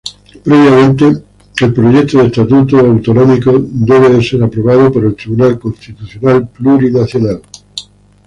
Previamente el proyecto de estatuto autonómico debe ser aprobado por el Tribunal Constitucional Plurinacional.